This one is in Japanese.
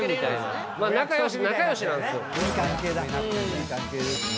いい関係ですね。